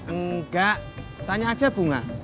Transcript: enggak tanya aja bunga